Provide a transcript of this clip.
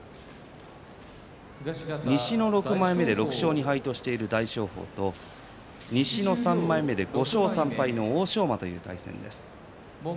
西の６枚目で６勝２敗としている大翔鵬と西の３枚目で５勝３敗の欧勝馬という対戦です。